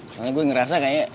soalnya gue ngerasa kayaknya